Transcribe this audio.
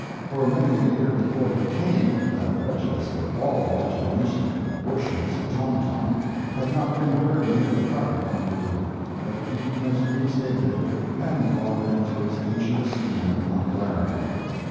For many a year before he came that wretchedest of all wretched musical abortions, the tom tom, had not been heard near the heart of Honolulu; but he has reinstated it and brought it into its ancient esteem and popularity.